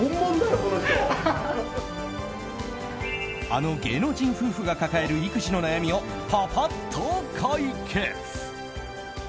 あの芸能人夫婦が抱える育児の悩みをパパッと解決。